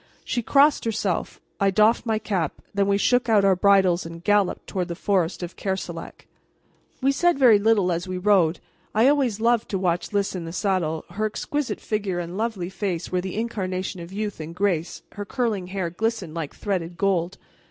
She crossed herself, I doffed my cap, then we shook out our bridles and galloped toward the forest of Kerselec. We said very little as we rode. I always loved to watch Lys in the saddle. Her exquisite figure and lovely face were the incarnation of youth and grace; her curling hair glistened like threaded gold.